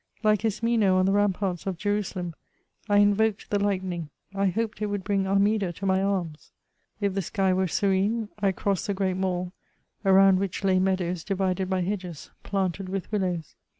like Ismeno on the ramparts of Jerusalem, I invoked the lightnmg ; I hoped it would bring Armida to my arms. If the sky were serene, I crossed the great Mall, around which lay meadows divided by hedges, planted with willows.